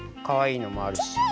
かわいいのもあるし。